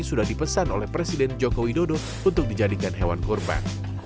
sudah dipesan oleh presiden joko widodo untuk dijadikan hewan kurban